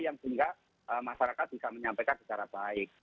yang sehingga masyarakat bisa menyampaikan secara baik